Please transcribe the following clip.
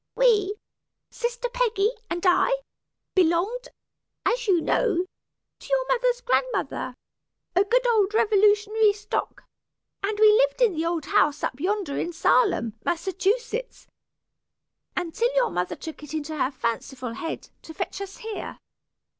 "We, sister Peggy and I, belonged, as you know, to your mother's grandmother a good old Revolutionary stock and we lived in the old house up yonder in Salem, Massachusetts, until your mother took it into her fanciful head to fetch us here.